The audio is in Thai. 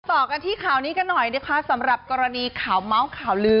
ต่อกันที่ข่าวนี้กันหน่อยนะคะสำหรับกรณีข่าวเมาส์ข่าวลือ